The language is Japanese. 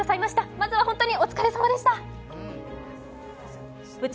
まずは本当にお疲れさまでした。